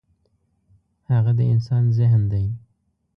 هغه د انسان ذهن دی.